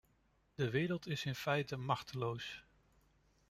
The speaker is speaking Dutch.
De wereld is in feite machteloos.